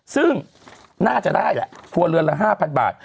ซึ่งน่าจะได้แหละครัวเรือนละ๕๐๐บาท